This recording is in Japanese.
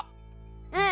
うん。